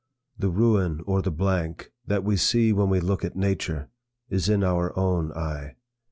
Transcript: The ruin or the blank, that we see when we look at nature, is in our own eye.